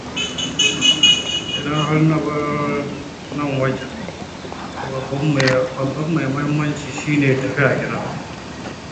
Idan har bar nan wajen, to babban mai muhimmaci shi ne tafiya gida.